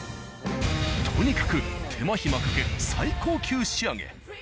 とにかく手間暇かける最高級仕上げ。